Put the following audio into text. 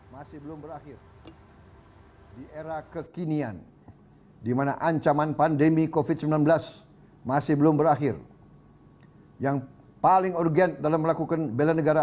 menteri pertahanan prabowo subianto meminta semua lapisan masyarakat untuk membela negara